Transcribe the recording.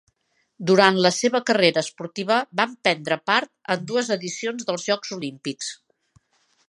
Durant la seva carrera esportiva van prendre part en dues edicions dels Jocs Olímpics.